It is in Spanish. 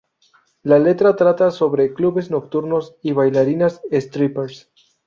La letra trata sobre clubes nocturnos y bailarinas "strippers".